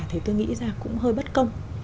thì tôi nghĩ ra cũng hơi bất công